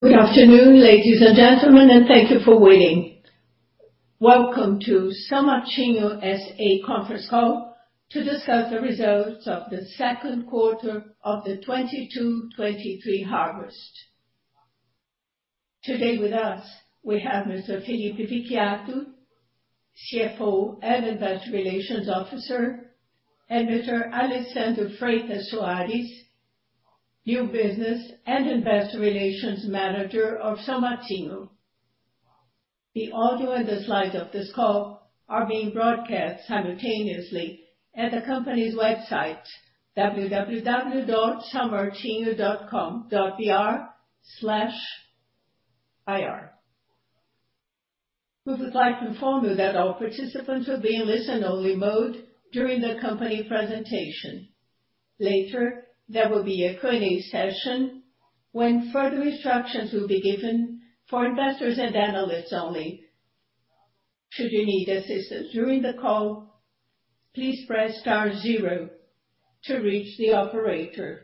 Good afternoon, ladies and gentlemen, and thank you for waiting. Welcome to São Martinho S.A. conference call to discuss the results of the second quarter of the 2022/2023 harvest. Today with us, we have Mr. Felipe Vicchiato, CFO and Investor Relations Officer, and Mr. Alessandro Freitas Soares, New Business and Investor Relations Manager of São Martinho. The audio and the slides of this call are being broadcast simultaneously at the company's website, www.saomartinho.com.br/ir. We would like to inform you that all participants will be in listen-only mode during the company presentation. Later, there will be a Q&A session when further instructions will be given for investors and analysts only. Should you need assistance during the call, please press star zero to reach the operator.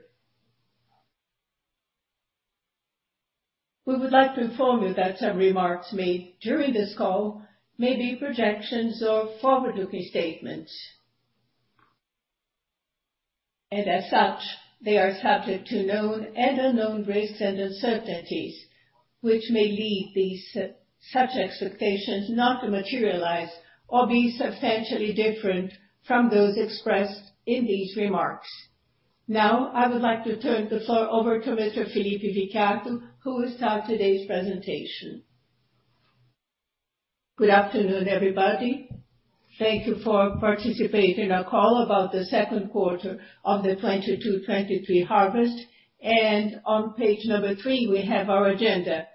We would like to inform you that some remarks made during this call may be projections or forward-looking statements. As such, they are subject to known and unknown risks and uncertainties, which may lead these such expectations not to materialize or be substantially different from those expressed in these remarks. Now, I would like to turn the floor over to Mr. Felipe Vicchiato, who will start today's presentation. Good afternoon, everybody. Thank you for participating in our call about the second quarter of the 2022/2023 harvest. On page number three, we have our agenda.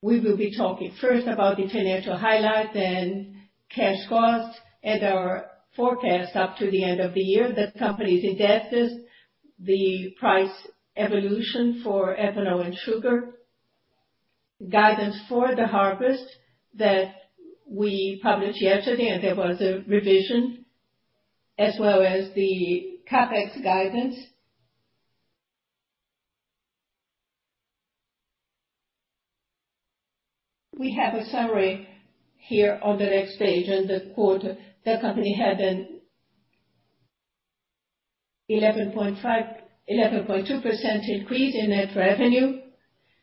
We will be talking first about the financial highlight then cash cost and our forecast up to the end of the year. The company's indebtedness, the price evolution for ethanol and sugar, guidance for the harvest that we published yesterday, and there was a revision, as well as the CapEx guidance. We have a summary here on the next page. In the quarter, the company had an 11.2% increase in net revenue.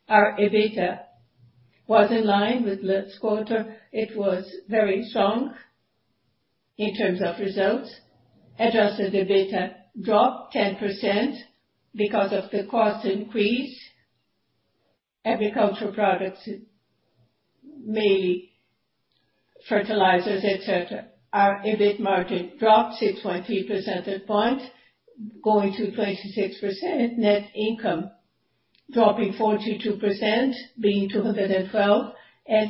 Our EBITDA was in line with last quarter. It was very strong in terms of results. Adjusted EBITDA dropped 10% because of the cost increase. Agricultural products, mainly fertilizers, et cetera. Our EBIT margin dropped 6.3 percentage points, going to 26%. Net income dropping 42%, being 212.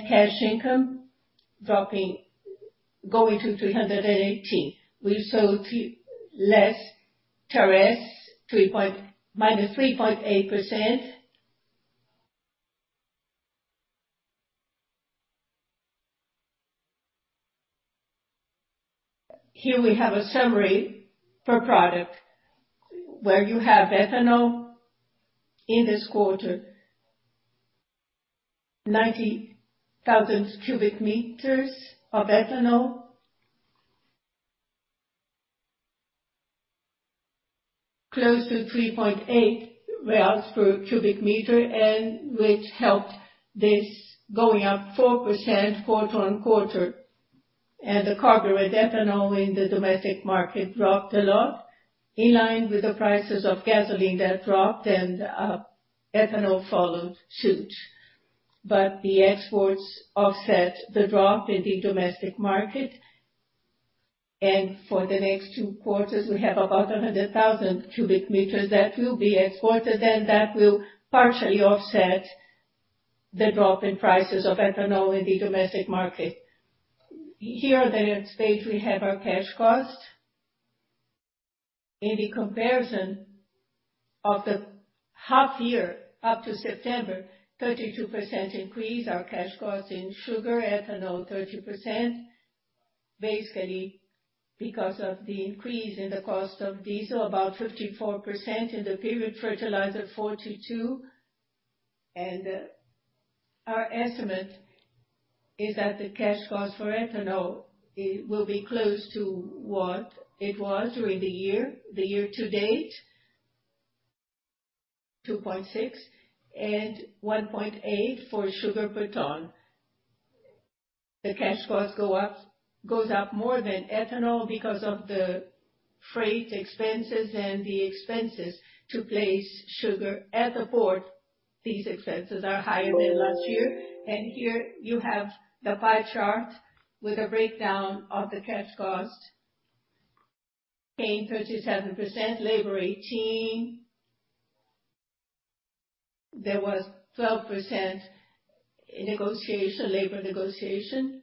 Cash income going to 318. We sold less TRS, minus 3.8%. Here we have a summary per product where you have ethanol in this quarter, 90,000 cubic meters of ethanol. Close to 3.8 per cubic meter, which helped this going up 4% quarter-over-quarter. The hydrous ethanol in the domestic market dropped a lot in line with the prices of gasoline that dropped, and ethanol followed suit. The exports offset the drop in the domestic market. For the next two quarters, we have about 100,000 cubic meters that will be exported, and that will partially offset the drop in prices of ethanol in the domestic market. Here on the next page, we have our cash cost. In the comparison of the half year up to September, 32% increase our cash cost in sugar ethanol, 30% basically because of the increase in the cost of diesel, about 54% in the period, fertilizer, 42%. Our estimate is that the cash cost for ethanol will be close to what it was during the year, the year to date, 2.6 and 1.8 for sugar per ton. The cash cost goes up more than ethanol because of the freight expenses and the expenses to place sugar at the port. These expenses are higher than last year. Here you have the pie chart with a breakdown of the cash cost. Cane 37%, labor 18%. There was 12% negotiation, labor negotiation.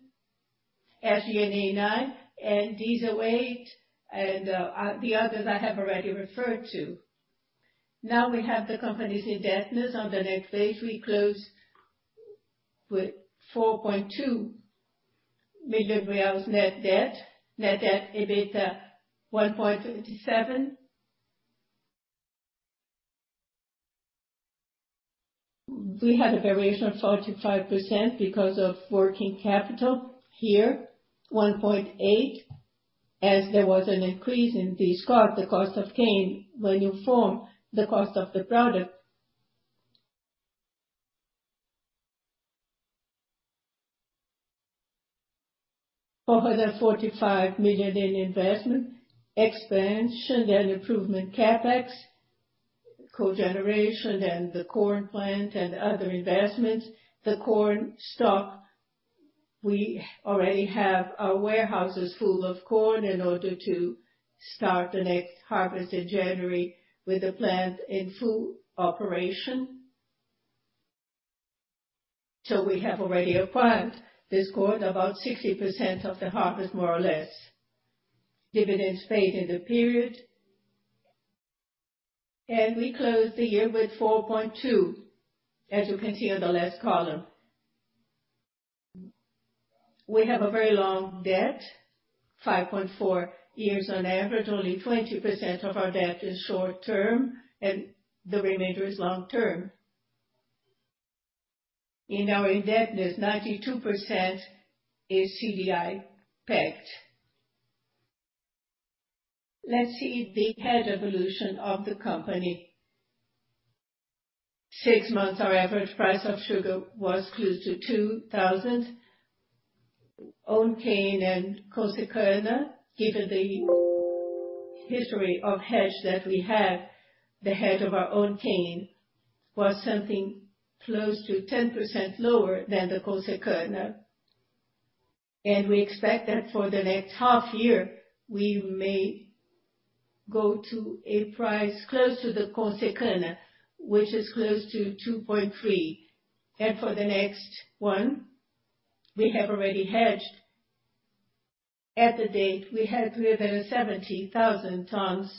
SENA, 9, and diesel, 8, and the others I have already referred to. Now we have the company's indebtedness on the next page. We closed with 4.2 billion real net debt. Net debt EBITDA 1.57. We had a variation of 45% because of working capital. Here, 1.8, as there was an increase in the SCOT, the cost of cane when you form the cost of the product. Over the 45 million in investment, expansion and improvement CapEx, cogeneration and the corn plant and other investments. The corn stock, we already have our warehouses full of corn in order to start the next harvest in January with the plant in full operation. We have already acquired this corn, about 60% of the harvest, more or less. Dividends paid in the period. We closed the year with 4.2, as you can see on the last column. We have a very long debt, 5.4 years on average. Only 20% of our debt is short-term, and the remainder is long-term. In our indebtedness, 92% is CDI-pegged. Let's see the hedge evolution of the company. Six months, our average price of sugar was close to $2,000. Own cane and Consecana, given the history of hedge that we have, the hedge of our own cane was something close to 10% lower than the Consecana. We expect that for the next half year, we may go to a price close to the Consecana, which is close to $2.3. For the next one, we have already hedged. To date, we hedged 70,000 tons,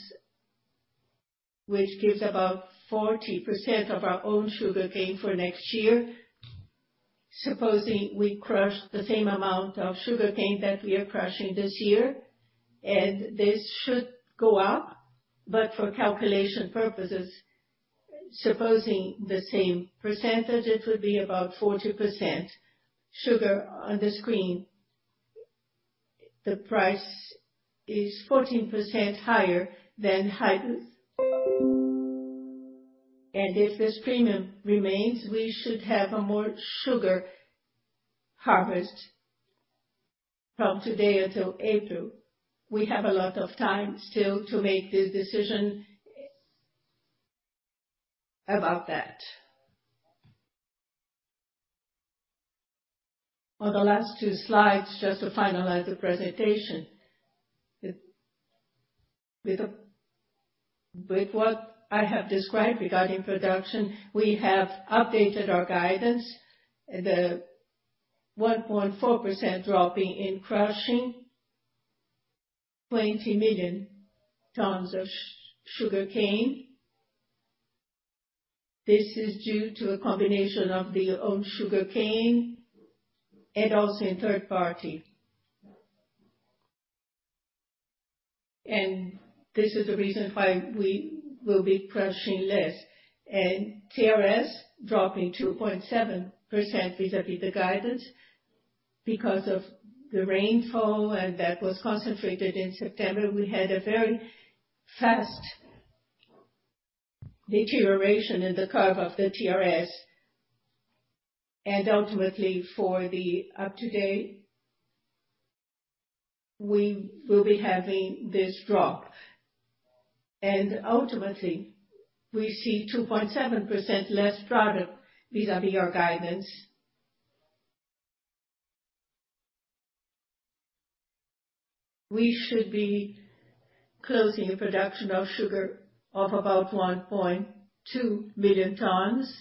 which gives about 40% of our own sugarcane for next year. Supposing we crush the same amount of sugarcane that we are crushing this year, and this should go up. For calculation purposes, supposing the same percentage, it would be about 40% sugar on the screen. The price is 14% higher than Hybrids. If this premium remains, we should have a more sugar harvest from today until April. We have a lot of time still to make this decision about that. On the last two slides, just to finalize the presentation. With what I have described regarding production, we have updated our guidance. The 1.4% dropping in crushing 20 million tons of sugarcane. This is due to a combination of the own sugarcane and also in third party. This is the reason why we will be crushing less. TRS dropping 2.7% vis-à-vis the guidance. Because of the rainfall, and that was concentrated in September, we had a very fast deterioration in the curve of the TRS. Ultimately, for the update, we will be having this drop. Ultimately, we see 2.7% less product vis-à-vis our guidance. We should be closing a production of sugar of about 1.2 million tons.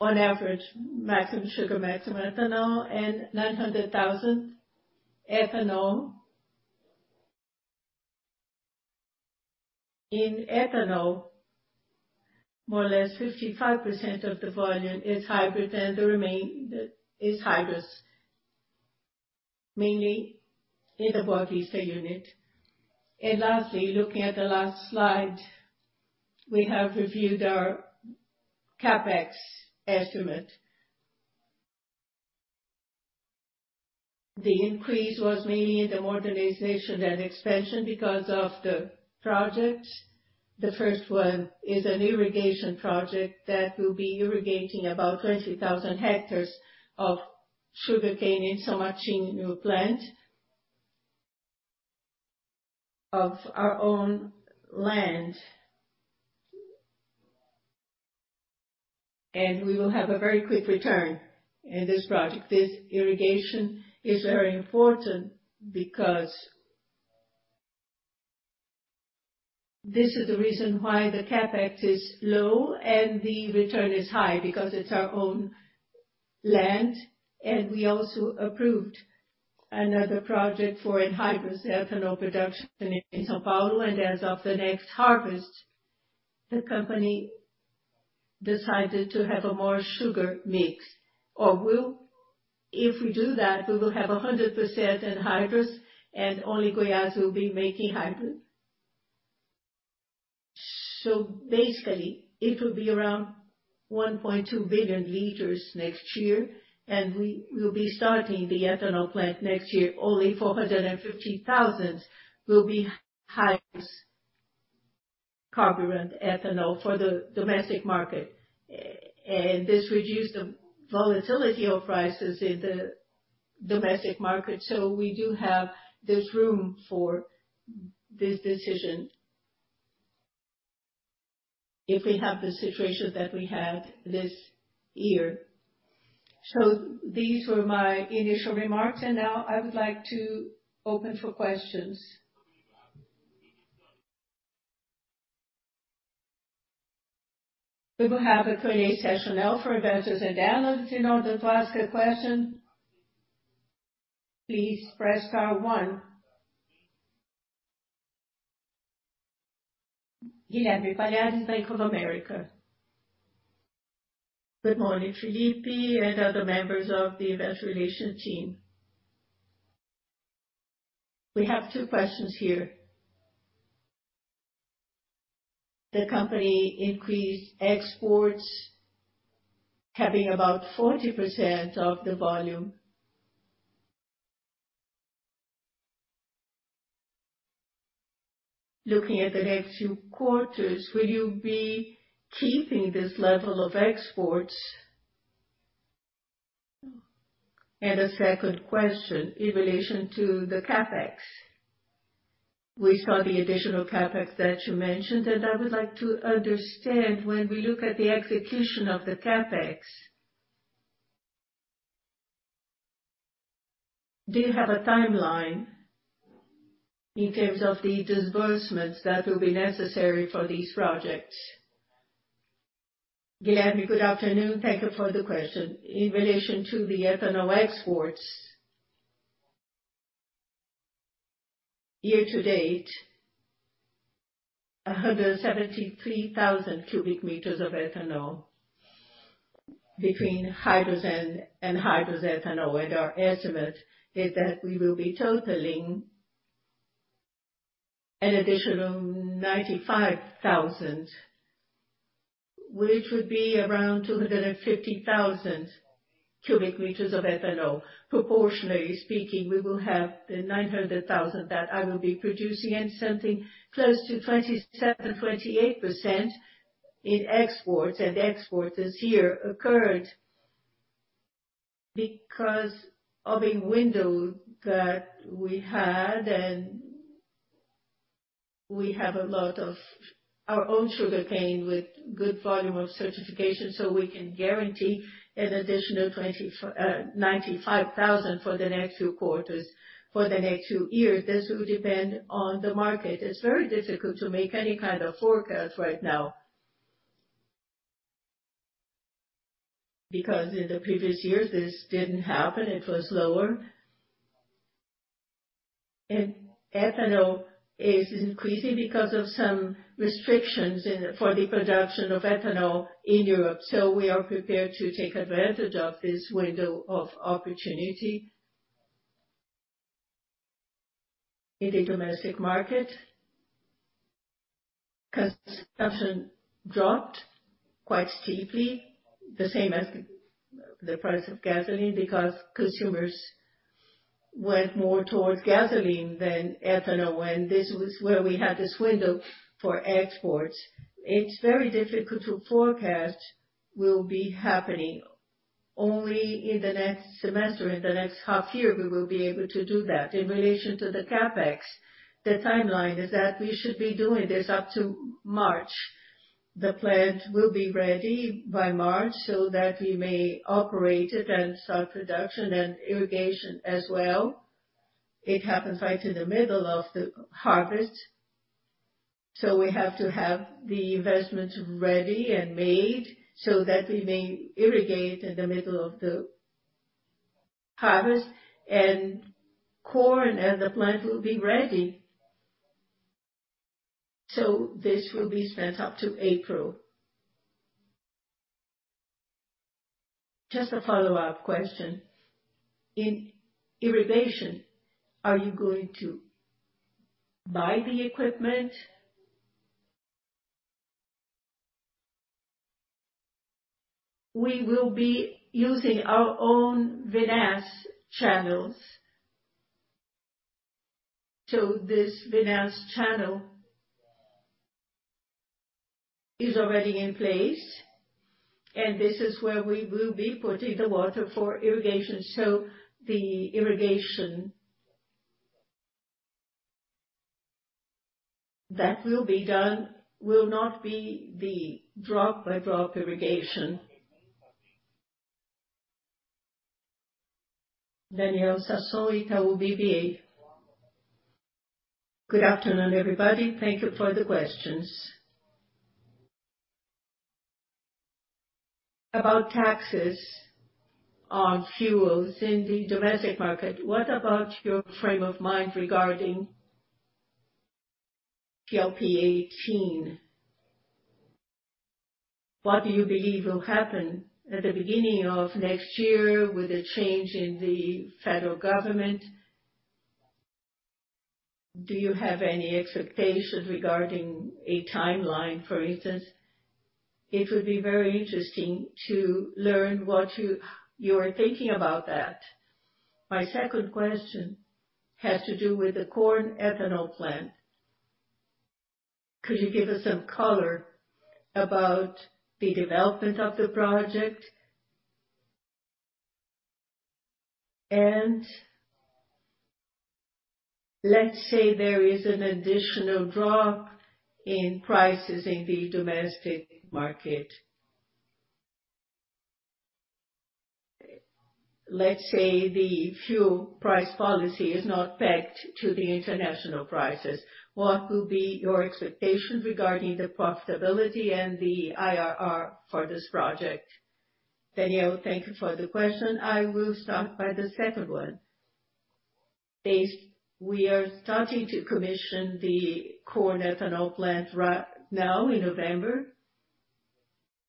On average, maximum sugar, maximum ethanol, and 900,000 ethanol. In ethanol, more or less 55% of the volume is hydrous, and the remainder is hydrous, mainly in the Boa Vista unit. Lastly, looking at the last slide, we have reviewed our CapEx estimate. The increase was mainly in the modernization and expansion because of the project. The first one is an irrigation project that will be irrigating about 20,000 hectares of sugarcane in São Martinho New Plant of our own land. We will have a very quick return in this project. This irrigation is very important because this is the reason why the CapEx is low and the return is high, because it's our own land, and we also approved another project for hydrous ethanol production in São Paulo. As of the next harvest, the company decided to have a more sugar mix. If we do that, we will have 100% in hydrous, and only Goiás will be making hydrous. Basically, it will be around 1.2 billion liters next year, and we will be starting the ethanol plant next year. Only 450,000 will be hydrous corn ethanol for the domestic market. This reduced the volatility of prices in the domestic market. We do have this room for this decision if we have the situation that we had this year. These were my initial remarks, and now I would like to open for questions. We will have a Q&A session now for investors and analysts. In order to ask a question, please press star one. Guilherme Palhares, Bank of America. Good morning, Felipe, and other members of the Investor Relations team. We have two questions here. The company increased exports, having about 40% of the volume. Looking at the next few quarters, will you be keeping this level of exports? A second question in relation to the CapEx. We saw the additional CapEx that you mentioned, and I would like to understand when we look at the execution of the CapEx. Do you have a timeline in terms of the disbursements that will be necessary for these projects? Guilherme, good afternoon. Thank you for the question. In relation to the ethanol exports. Year to date, 173,000 cubic meters of ethanol between anhydrous and hydrous ethanol. Our estimate is that we will be totaling an additional 95,000, which would be around 250,000 cubic meters of ethanol. Proportionally speaking, we will have the 900,000 that I will be producing and something close to 27%-28% in exports. Exports this year occurred because of a window that we had, and we have a lot of our own sugarcane with good volume of certification, so we can guarantee an additional 249,500 for the next few quarters. For the next two years, this will depend on the market. It's very difficult to make any kind of forecast right now. In the previous years, this didn't happen. It was lower. Ethanol is increasing because of some restrictions for the production of ethanol in Europe. We are prepared to take advantage of this window of opportunity. In the domestic market, consumption dropped quite steeply, the same as the price of gasoline, because consumers went more towards gasoline than ethanol. This was where we had this window for exports. It's very difficult to forecast what will be happening. Only in the next semester, in the next half year, we will be able to do that. In relation to the CapEx, the timeline is that we should be doing this up to March. The plant will be ready by March, so that we may operate it and start production and irrigation as well. It happens right in the middle of the harvest, so we have to have the investment ready and made so that we may irrigate in the middle of the harvest. Corn and the plant will be ready, so this will be spent up to April. Just a follow-up question. In irrigation, are you going to buy the equipment? We will be using our own vinhaça channels. This vinhaça channel is already in place, and this is where we will be putting the water for irrigation. The irrigation that will be done will not be the drop-by-drop irrigation. Daniel Sasson, Itaú BBA. Good afternoon, everybody. Thank you for the questions. About taxes on fuels in the domestic market, what about your frame of mind regarding PLP 18? What do you believe will happen at the beginning of next year with the change in the federal government? Do you have any expectations regarding a timeline, for instance? It would be very interesting to learn what you are thinking about that. My second question has to do with the corn ethanol plant. Could you give us some color about the development of the project? Let's say there is an additional drop in prices in the domestic market. Let's say the fuel price policy is not pegged to the international prices. What will be your expectations regarding the profitability and the IRR for this project? Daniel, thank you for the question. I will start by the second one. We are starting to commission the corn ethanol plant right now in November.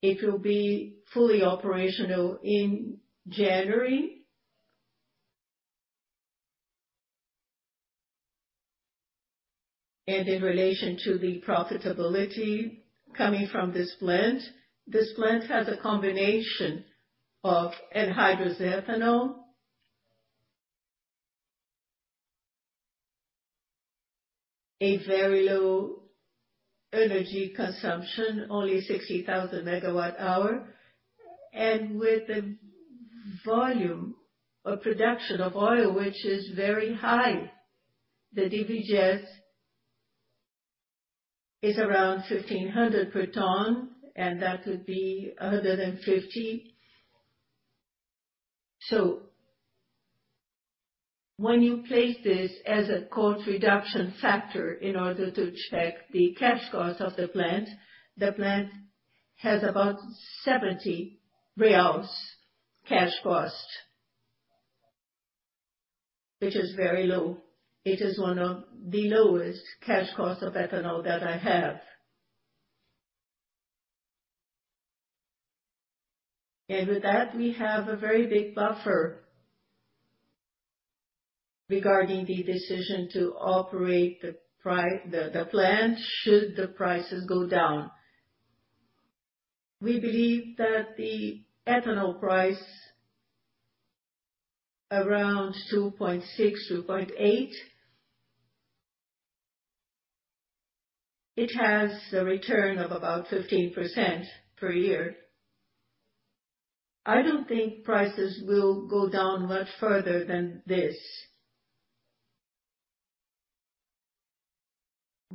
It will be fully operational in January. In relation to the profitability coming from this plant, this plant has a combination of anhydrous ethanol. A very low energy consumption, only 60,000 megawatt-hours, and with the volume of production of oil, which is very high. The DDGS is around 1,500 per ton, and that would be 150. So when you place this as a cost reduction factor in order to check the cash costs of the plant, the plant has about 70 reais cash cost. Which is very low. It is one of the lowest cash costs of ethanol that I have. With that, we have a very big buffer regarding the decision to operate the plant should the prices go down. We believe that the ethanol price around BRL 2.6-BRL 2.8. It has a return of about 15% per year. I don't think prices will go down much further than this.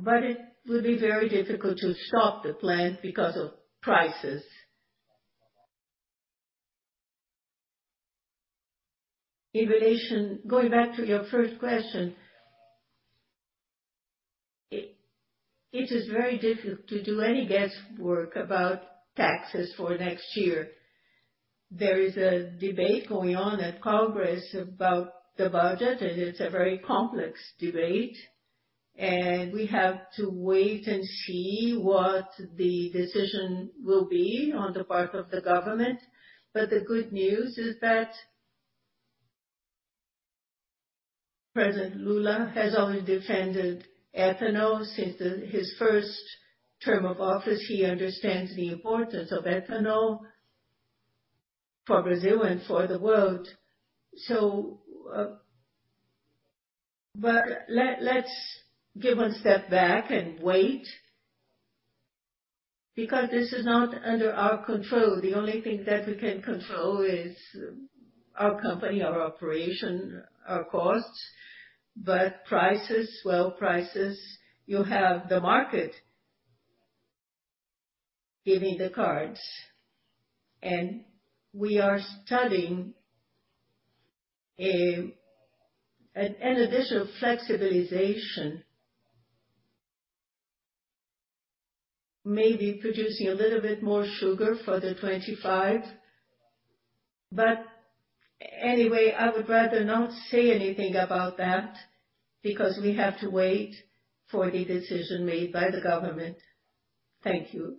It would be very difficult to stop the plant because of prices. In relation, going back to your first question, it is very difficult to do any guesswork about taxes for next year. There is a debate going on at Congress about the budget, and it's a very complex debate. We have to wait and see what the decision will be on the part of the government. The good news is that President Lula has always defended ethanol since his first term of office. He understands the importance of ethanol for Brazil and for the world. Let's give one step back and wait, because this is not under our control. The only thing that we can control is our company, our operation, our costs. Prices, well, you have the market giving the cards. We are studying an additional flexibilization. Maybe producing a little bit more sugar for the 2025. Anyway, I would rather not say anything about that because we have to wait for the decision made by the government. Thank you.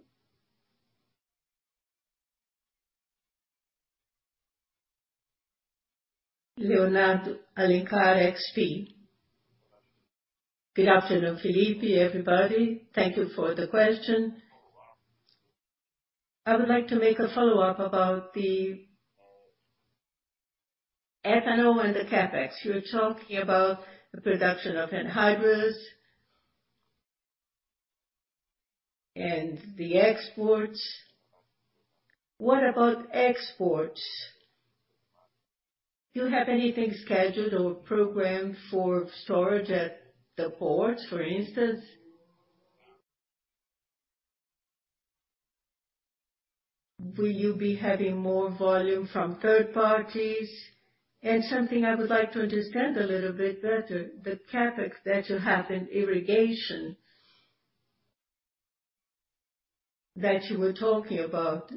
Leonardo Alencar, XP. Good afternoon, Felipe, everybody. Thank you for the question. I would like to make a follow-up about the ethanol and the CapEx. You're talking about the production of anhydrous and the exports. What about exports? Do you have anything scheduled or programmed for storage at the ports, for instance? Will you be having more volume from third parties? And something I would like to understand a little bit better, the CapEx that you have in irrigation that you were talking about.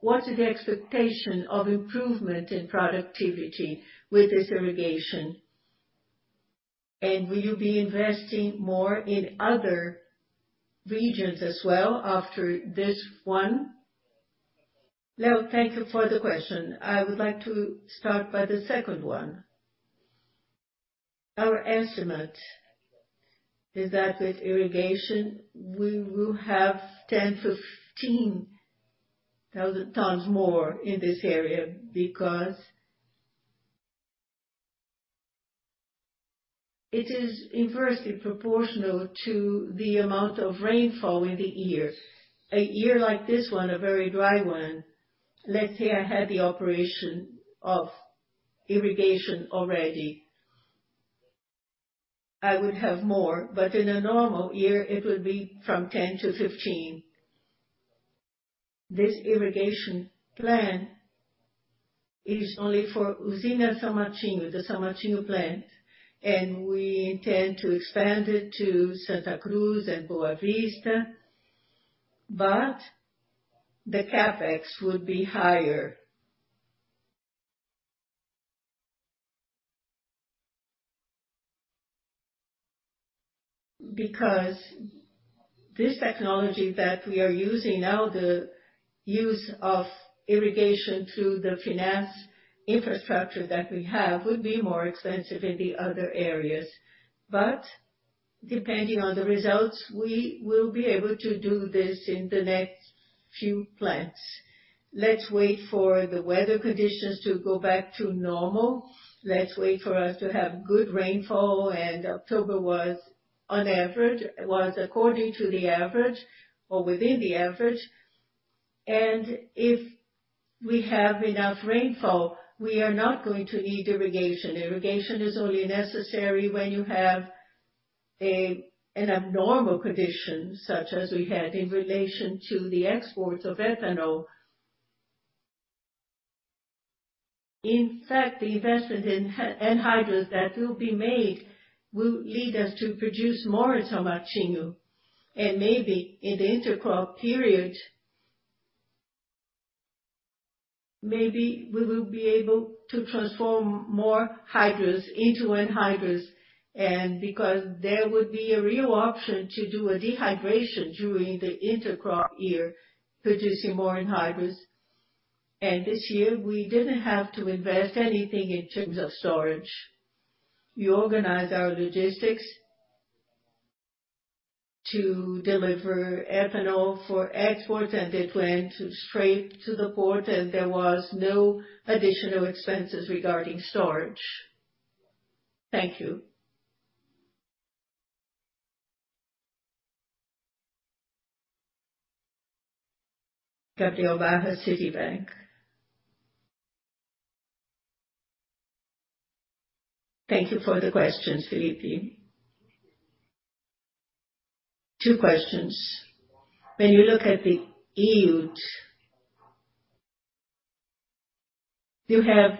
What is the expectation of improvement in productivity with this irrigation? And will you be investing more in other regions as well after this one? Leonardo, thank you for the question. I would like to start by the second one. Our estimate is that with irrigation, we will have 10-15,000 tons more in this area because it is inversely proportional to the amount of rainfall in the year. A year like this one, a very dry one. Let's say I had the operation of irrigation already, I would have more. In a normal year, it would be from 10-15. This irrigation plan is only for Usina São Martinho, the São Martinho plant, and we intend to expand it to Santa Cruz and Boa Vista. The CapEx would be higher because this technology that we are using now, the use of irrigation through the finance infrastructure that we have, would be more expensive in the other areas. Depending on the results, we will be able to do this in the next few plants. Let's wait for the weather conditions to go back to normal. Let's wait for us to have good rainfall. October was according to the average or within the average. If we have enough rainfall, we are not going to need irrigation. Irrigation is only necessary when you have an abnormal condition, such as we had in relation to the exports of ethanol. In fact, the investment in anhydrous that will be made will lead us to produce more in São Martinho. Maybe in the intercrop period, maybe we will be able to transform more hydrous into anhydrous. Because there would be a real option to do a dehydration during the intercrop year, producing more anhydrous. This year, we didn't have to invest anything in terms of storage. We organized our logistics to deliver ethanol for export, and we planned to go straight to the port, and there was no additional expenses regarding storage. Thank you. Gabriel Barra, Citibank. Thank you for the question, Felipe. Two questions. When you look at the yield, you have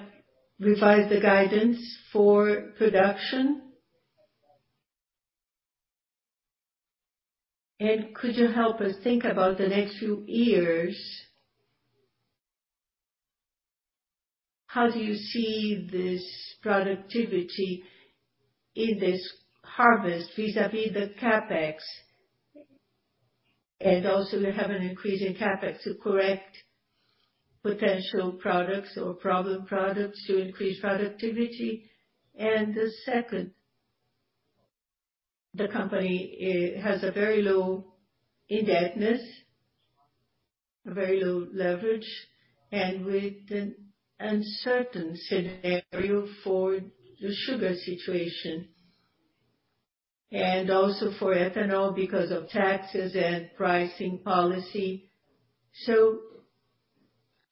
revised the guidance for production. Could you help us think about the next few years? How do you see this productivity in this harvest vis-à-vis the CapEx? Also, you have an increase in CapEx to correct potential products or problem products to increase productivity. The second, the company, has a very low indebtedness, very low leverage, and with an uncertain scenario for the sugar situation and also for ethanol because of taxes and pricing policy.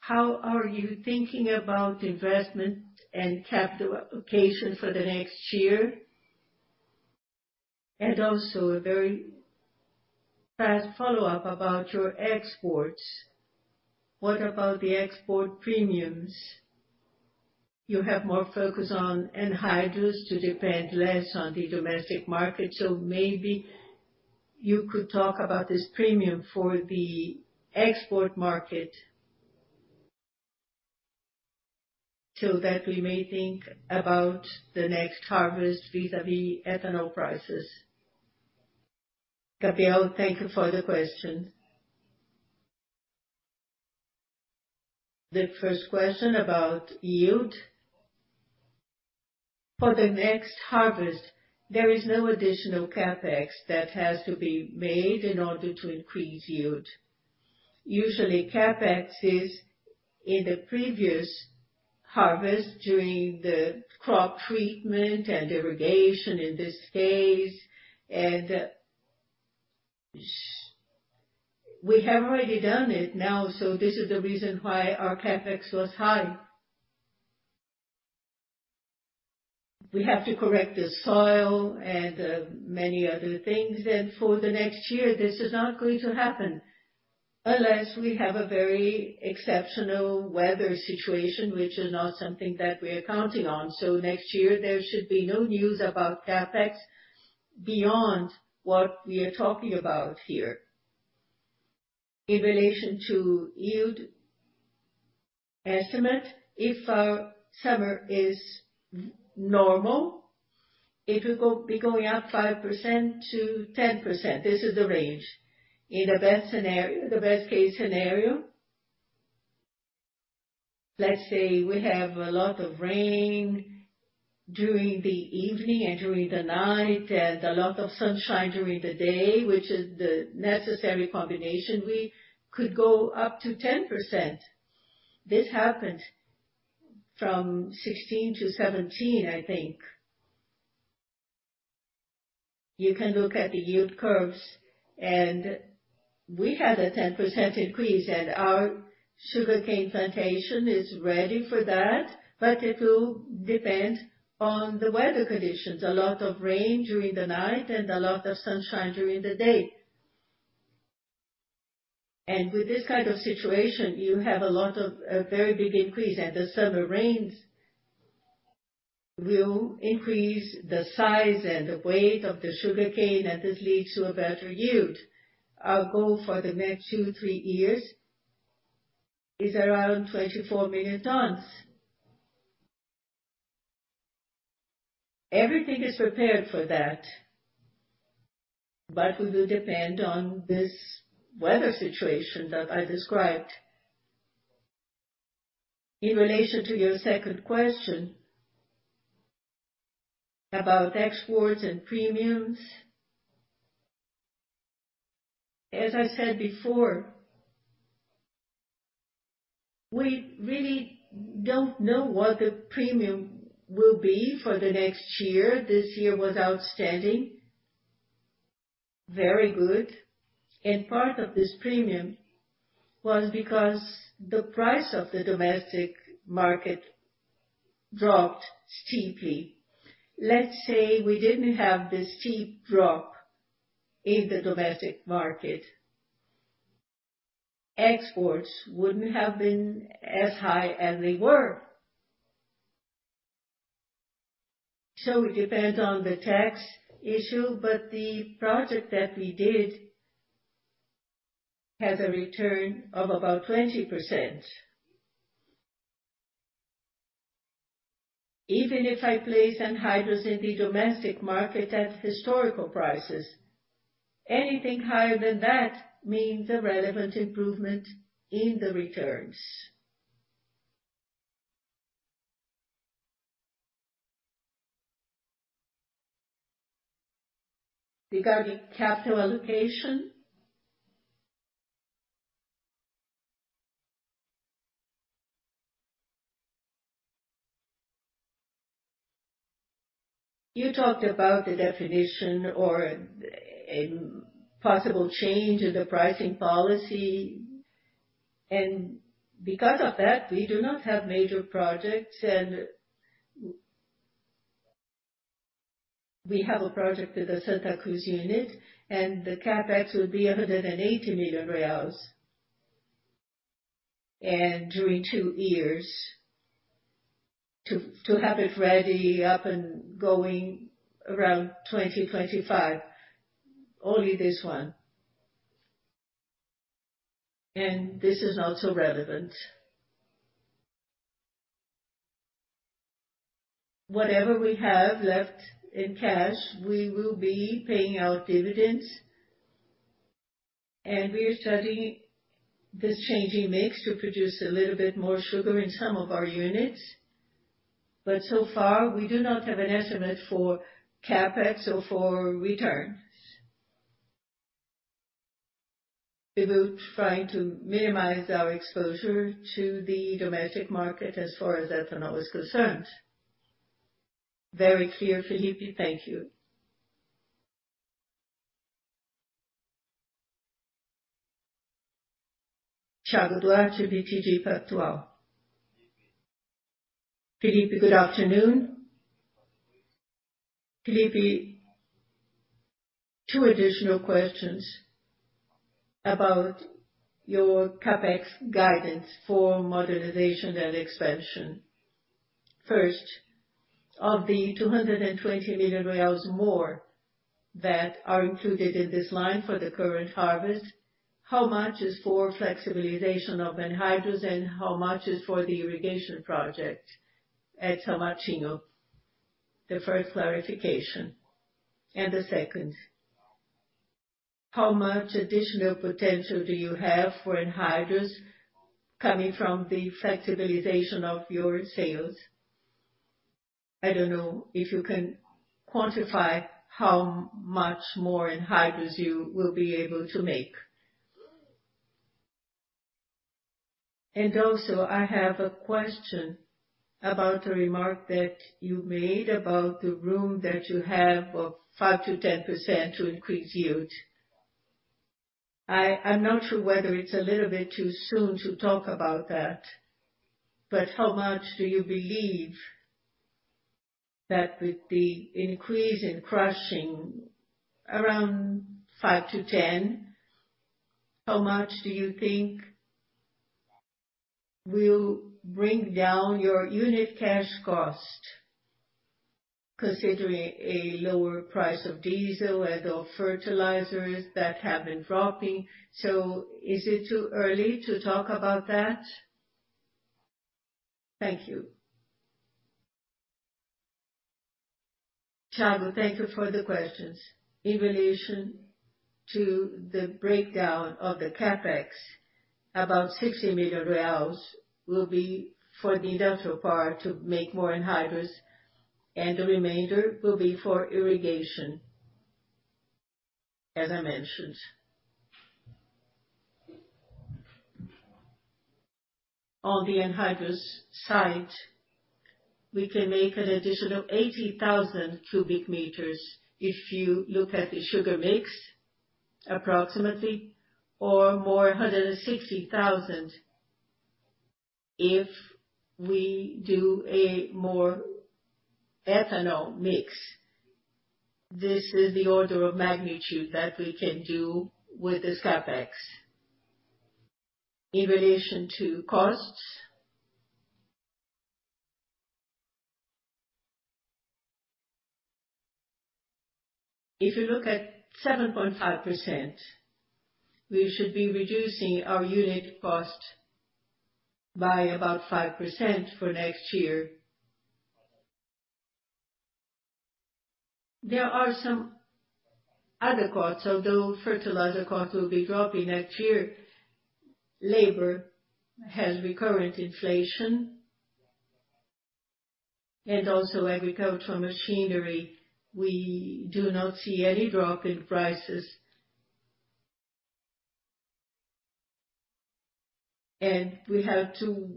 How are you thinking about investment and capital allocation for the next year? Also a very fast follow-up about your exports. What about the export premiums? You have more focus on anhydrous to depend less on the domestic market. Maybe you could talk about this premium for the export market, so that we may think about the next harvest vis-à-vis ethanol prices. Gabriel, thank you for the question. The first question about yield. For the next harvest, there is no additional CapEx that has to be made in order to increase yield. Usually, CapEx is in the previous harvest during the crop treatment and irrigation in this case, and we have already done it now, so this is the reason why our CapEx was high. We have to correct the soil and many other things. For the next year, this is not going to happen unless we have a very exceptional weather situation, which is not something that we're counting on. Next year there should be no news about CapEx beyond what we are talking about here. In relation to yield estimate, if our summer is normal, it will be going up 5%-10%. This is the range. In a best scenario, the best case scenario, let's say we have a lot of rain during the evening and during the night, and a lot of sunshine during the day, which is the necessary combination, we could go up to 10%. This happened from 2016 to 2017, I think. You can look at the yield curves, and we had a 10% increase, and our sugarcane plantation is ready for that, but it will depend on the weather conditions. A lot of rain during the night and a lot of sunshine during the day. With this kind of situation, you have a lot of very big increase. The summer rains will increase the size and the weight of the sugarcane, and this leads to a better yield. Our goal for the next two, three years is around 24 million tons. Everything is prepared for that, but we do depend on this weather situation that I described. In relation to your second question about exports and premiums. As I said before, we really don't know what the premium will be for the next year. This year was outstanding, very good. Part of this premium was because the price of the domestic market dropped steeply. Let's say we didn't have the steep drop in the domestic market. Exports wouldn't have been as high as they were. It depends on the tax issue, but the project that we did has a return of about 20%. Even if I place anhydrous in the domestic market at historical prices, anything higher than that means a relevant improvement in the returns. Regarding capital allocation. You talked about the definition or a possible change in the pricing policy, and because of that, we do not have major projects and we have a project with the Santa Cruz unit, and the CapEx would be 180 million reais, and during 2 years to have it ready, up and going around 2025. Only this one. This is not so relevant. Whatever we have left in cash, we will be paying out dividends. We are studying this changing mix to produce a little bit more sugar in some of our units. So far, we do not have an estimate for CapEx or for returns. We will try to minimize our exposure to the domestic market as far as ethanol is concerned. Very clear, Felipe. Thank you. Thiago Duarte, BTG Pactual.Felipe. Felipe, good afternoon. Felipe, two additional questions about your CapEx guidance for modernization and expansion. First, of the 220 million more that are included in this line for the current harvest, how much is for flexibilization of anhydrous and how much is for the irrigation project at São Martinho? The first clarification. The second, how much additional potential do you have for anhydrous coming from the flexibilization of your sales? I don't know if you can quantify how much more anhydrous you will be able to make. Also, I have a question about a remark that you made about the room that you have of 5%-10% to increase yield. I'm not sure whether it's a little bit too soon to talk about that, but how much do you believe that with the increase in crushing around 5%-10%, how much do you think will bring down your unit cash cost considering a lower price of diesel and of fertilizers that have been dropping? Is it too early to talk about that? Thank you. Thiago, thank you for the questions. In relation to the breakdown of the CapEx, about 60 million reais will be for the industrial part to make more anhydrous, and the remainder will be for irrigation, as I mentioned. On the anhydrous side, we can make an additional 80,000 cubic meters if you look at the sugar mix approximately, or more, 160,000 if we do a more ethanol mix. This is the order of magnitude that we can do with this CapEx. In relation to costs, if you look at 7.5%, we should be reducing our unit cost by about 5% for next year. There are some other costs. Although fertilizer cost will be dropping next year, labor has recurrent inflation and also agricultural machinery. We do not see any drop in prices. We have to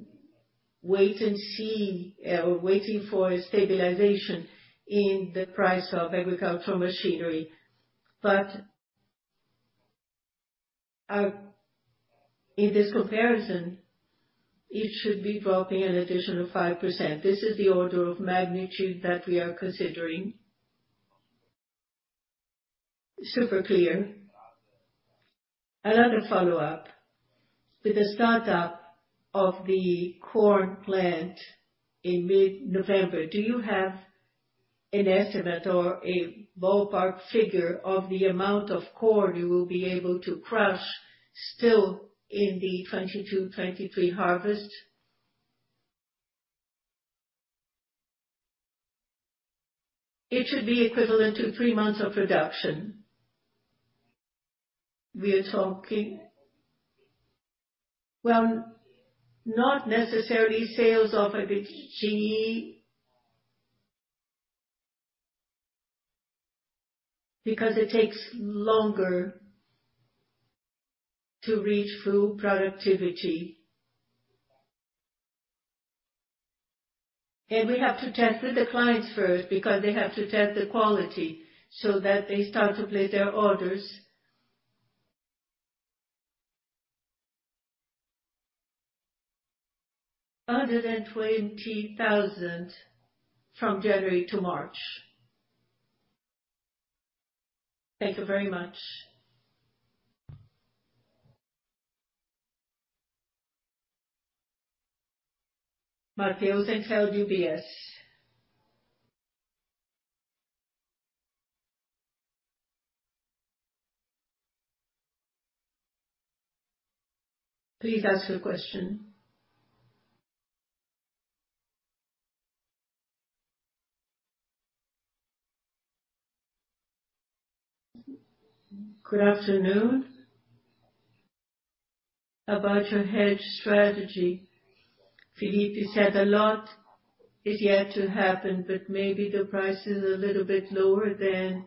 wait and see. We're waiting for a stabilization in the price of agricultural machinery. In this comparison, it should be dropping an additional 5%. This is the order of magnitude that we are considering. Super clear. Another follow-up. With the startup of the corn plant in mid-November, do you have an estimate or a ballpark figure of the amount of corn you will be able to crush still in the 2022-2023 harvest? It should be equivalent to three months of production. We are talking well, not necessarily sales of a bit because it takes longer to reach full productivity. We have to test with the clients first because they have to test the quality so that they start to place their orders. 120,000 from January to March. Thank you very much. Matheus Enfeldt, UBS. Please ask your question. Good afternoon. About your hedge strategy, Felipe said a lot is yet to happen, but maybe the price is a little bit lower than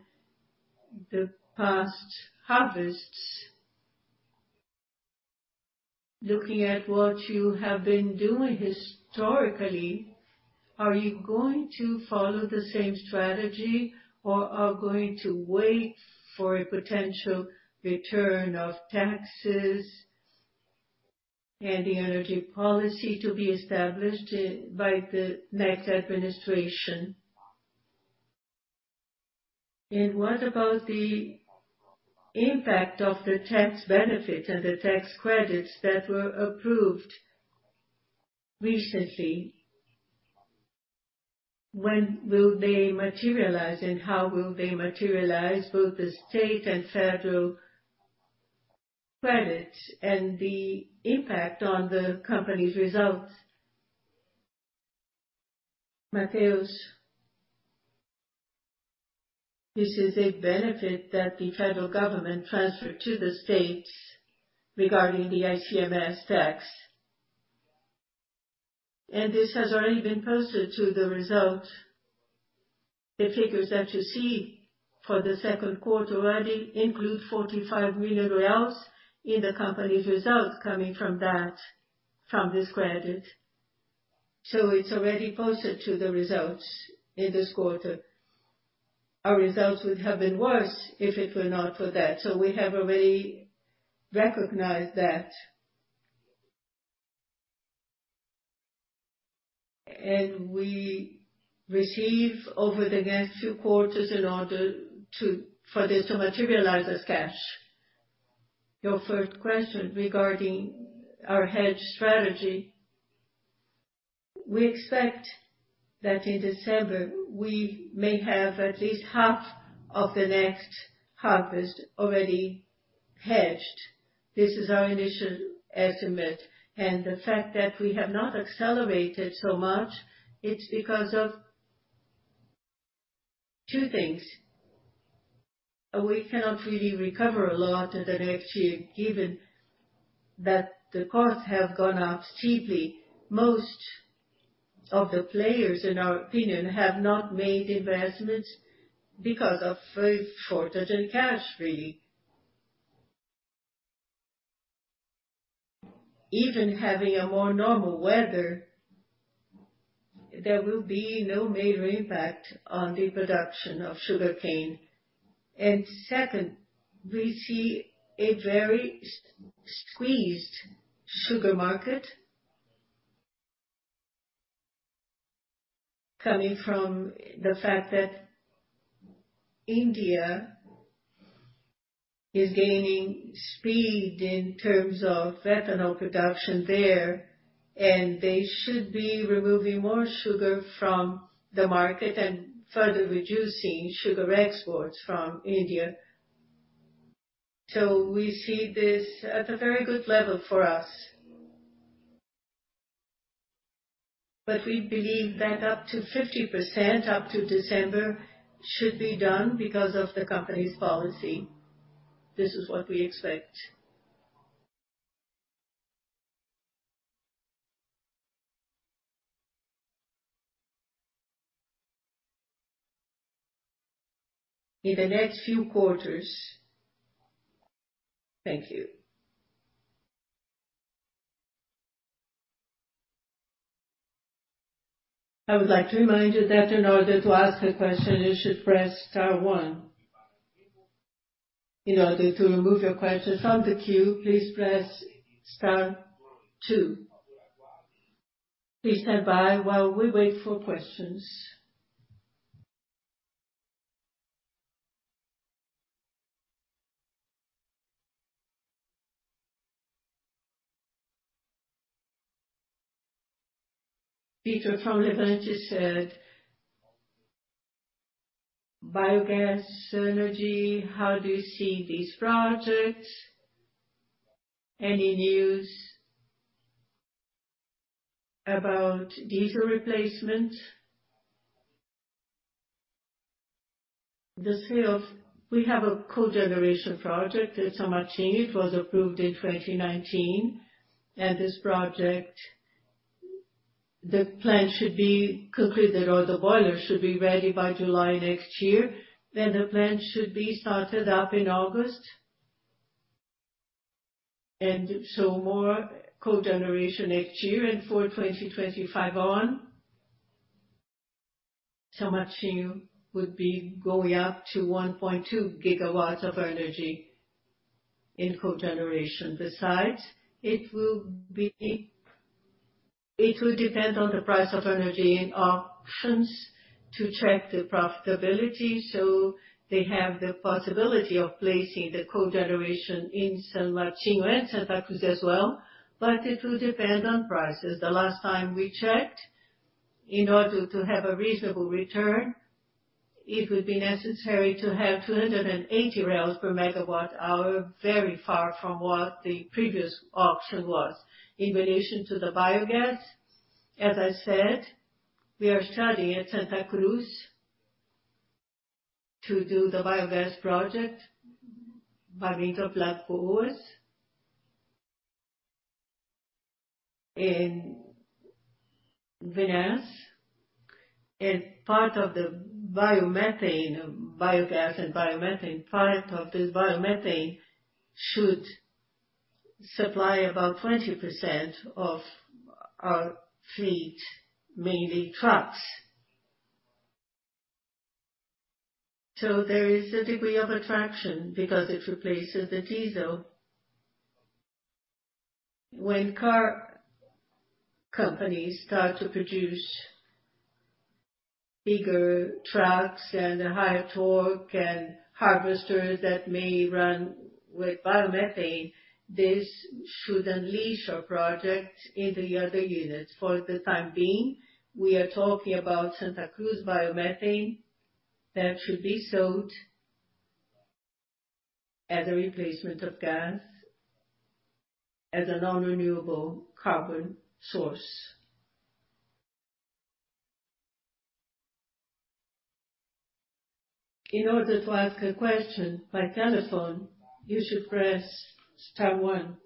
the past harvests. Looking at what you have been doing historically, are you going to follow the same strategy or are going to wait for a potential return of taxes and the energy policy to be established by the next administration? And what about the impact of the tax benefits and the tax credits that were approved recently? When will they materialize and how will they materialize, both the state and federal credits, and the impact on the company's results? Matheus. This is a benefit that the federal government transferred to the states regarding the ICMS tax, and this has already been posted to the result. The figures that you see for the second quarter already include 45 million in the company's results coming from this credit. It's already posted to the results in this quarter. Our results would have been worse if it were not for that. We have already recognized that. We receive over the next few quarters for this to materialize as cash. Your first question regarding our hedge strategy. We expect that in December, we may have at least half of the next harvest already hedged. This is our initial estimate, and the fact that we have not accelerated so much, it's because of two things. We cannot really recover a lot in the next year, given that the costs have gone up steeply. Most of the players, in our opinion, have not made investments because of a shortage in cash really. Even having a more normal weather, there will be no major impact on the production of sugarcane. Second, we see a very squeezed sugar market coming from the fact that India is gaining speed in terms of ethanol production there, and they should be removing more sugar from the market and further reducing sugar exports from India. We see this at a very good level for us. We believe that up to 50% up to December should be done because of the company's policy. This is what we expect in the next few quarters. Thank you. I would like to remind you that in order to ask a question, you should press star one. In order to remove your question from the queue, please press star two. Please stand by while we wait for questions. Pedro from Levante said, "Biogas energy, how do you see these projects? Any news about diesel replacement?" We have a cogeneration project at São Martinho. It was approved in 2019. This project, the plan should be completed or the boiler should be ready by July next year. The plant should be started up in August. More cogeneration next year and for 2025 on, São Martinho would be going up to 1.2 gigawatts of energy in cogeneration. Besides, it will be. It will depend on the price of energy and auctions to check the profitability, so they have the possibility of placing the cogeneration in São Martinho and Santa Cruz as well, but it will depend on prices. The last time we checked, in order to have a reasonable return, it would be necessary to have 280 per MWh, very far from what the previous auction was. In relation to the biogas, as I said, we are starting at Santa Cruz to do the biogas project by rental platform in vinasse. Part of the biomethane, biogas and biomethane, part of this biomethane should supply about 20% of our fleet, mainly trucks. There is a degree of attraction because it replaces the diesel. When car companies start to produce bigger trucks and a higher torque and harvesters that may run with biomethane, this should unleash a project in the other units. For the time being, we are talking about Santa Cruz biomethane that should be sold as a replacement of gas as a non-renewable carbon source. In order to ask a question by telephone, you should press star one.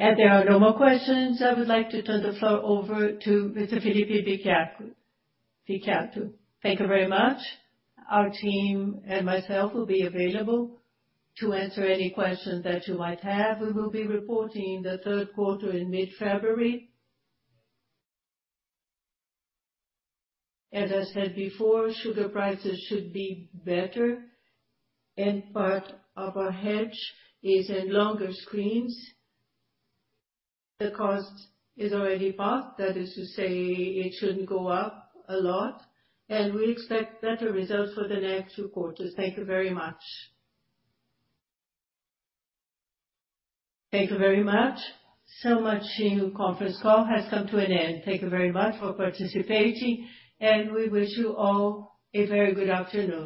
As there are no more questions, I would like to turn the floor over to Mr. Felipe Vicchiato. Thank you very much. Our team and myself will be available to answer any questions that you might have. We will be reporting the third quarter in mid-February. As I said before, sugar prices should be better, and part of our hedge is in longer screens. The cost is already passed. That is to say, it shouldn't go up a lot, and we expect better results for the next two quarters. Thank you very much. São Martinho conference call has come to an end. Thank you very much for participating, and we wish you all a very good afternoon.